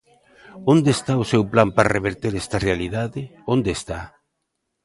¿Onde está o seu plan para reverter esta realidade?, ¿onde está?